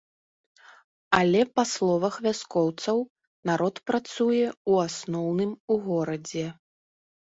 Але па словах вяскоўцаў, народ працуе ў асноўным у горадзе.